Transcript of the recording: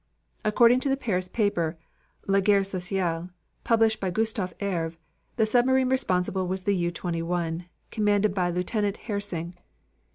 According to the Paris paper, La Guerre Sociale, published by Gustave Herve, the submarine responsible was the U 21, commanded by Lieutenant Hersing.